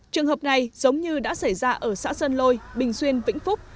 trường hợp này giống như đã xảy ra ở xã sơn lôi bình xuyên vĩnh phúc